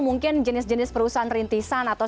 mungkin jenis jenis perusahaan rintisan atau